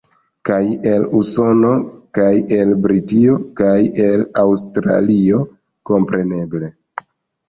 Kaj el Usono, kaj el Britio, kaj el Aŭstralio, kompreneble.